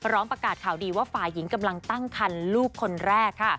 ประกาศข่าวดีว่าฝ่ายหญิงกำลังตั้งคันลูกคนแรกค่ะ